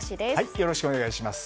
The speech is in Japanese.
よろしくお願いします。